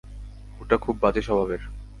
লোকটা খুব বাজে স্বভাবের।